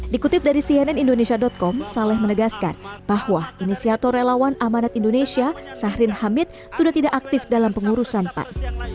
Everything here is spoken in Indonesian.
dikutip dari cnn indonesia com saleh menegaskan bahwa inisiator relawan amanat indonesia sahrin hamid sudah tidak aktif dalam pengurusan pan